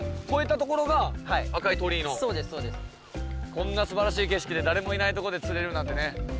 こんなすばらしい景色で誰もいないとこで釣れるなんてね